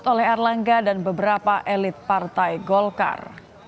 oleh erlangga dan beberapa elit partai golkar